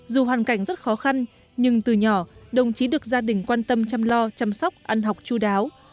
dù hoàn cảnh rất khó khăn nhưng từ nhỏ đồng chí được gia đình quan tâm chăm lo chăm sóc ăn học chú đáo